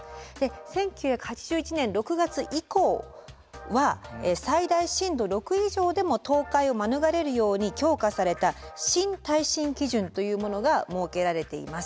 １９８１年６月以降は最大震度６以上でも倒壊を免れるように強化された新耐震基準というものが設けられています。